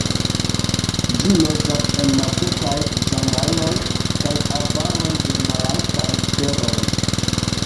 Ĝi loĝas en malsekaj ĝangaloj kaj arbaroj de malaltaj teroj.